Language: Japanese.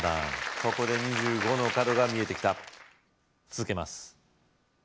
ここで２５の角が見えてきた続けます